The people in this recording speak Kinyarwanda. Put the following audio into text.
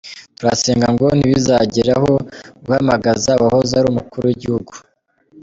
Turasenga ngo ntibizagere aho guhamagaza uwahoze ari Umukuru w’Igihugu.